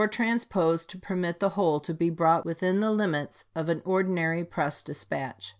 transposed to permit the whole to be brought within the limits of an ordinary press dispatch.